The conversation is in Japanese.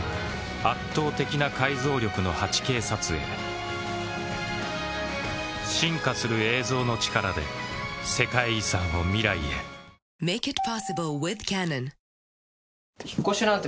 圧倒的な解像力の８Ｋ撮影進化する映像の力で世界遺産を未来へ引っ越しなんて